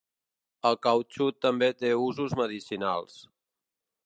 El catxú també té usos medicinals.